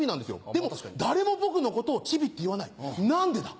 でも誰も僕のことをチビって言わない何でだ？